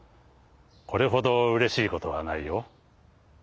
これほどうれしいことはないよ。